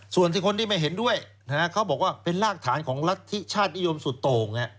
ส่วนที่คนที่ไม่เห็นด้วยเขาบอกว่าเป็นรากฐานของรัฐธิชาตินิยมสุดโต่ง